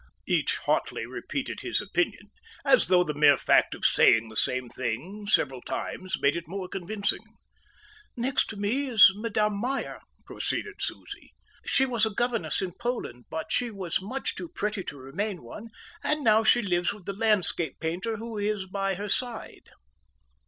Each hotly repeated his opinion, as though the mere fact of saying the same thing several times made it more convincing. "Next to me is Madame Meyer," proceeded Susie. "She was a governess in Poland, but she was much too pretty to remain one, and now she lives with the landscape painter who is by her side."